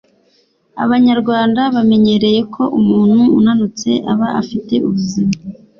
Abanyarwanda bamenyereye ko umuntu unanutse aba afite ubuzima